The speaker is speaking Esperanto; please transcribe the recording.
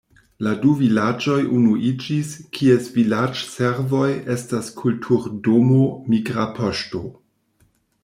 La du vilaĝoj unuiĝis, kies vilaĝservoj estas kulturdomo, migra poŝto.